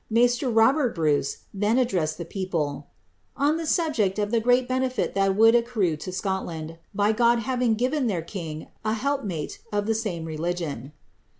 Mais ter Robert Bruce then addressed the people^ ^ on the subject of the great benefit that would accrue to Scotland, by God having given their king a helpmate of the same religion."